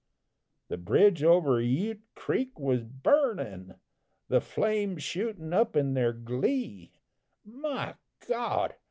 The bridge over Ute Creek was burnin', The flames shootin' up in their glee; My God!